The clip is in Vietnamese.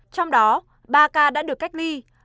trong đó ba ca đã được cách ly